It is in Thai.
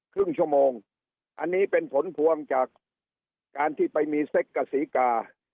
ครึ่งชั่วโมงอันนี้เป็นผลพวงจากการที่ไปมีเซ็กกับศรีกา